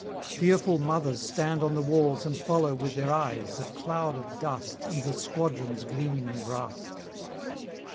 Fearful mothers stand on the walls and follow with their eyes the cloud of dust and the squadrons gleaming in brass.